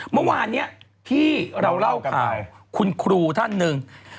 เมื่อวานนี้ที่เราเล่าข่าวคุณครูท่านหนึ่ง